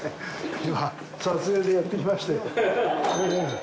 今、撮影でやってきまして。